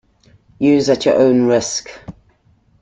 Use at your own risk.